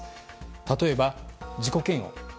例えば、自己嫌悪。